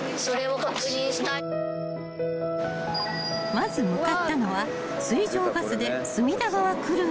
［まず向かったのは水上バスで隅田川クルージング］